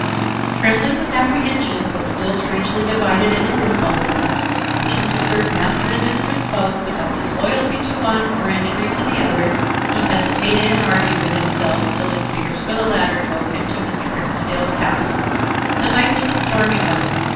Trembling with apprehension, but still strangely divided in his impulses, wishing to serve master and mistress both, without disloyalty to the one or injury to the other, he hesitated and argued with himself, till his fears for the latter drove him to Mr. Ramsdell's house. The night was a stormy one.